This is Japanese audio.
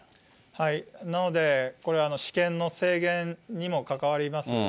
なので、これは私権の制限にも関わります。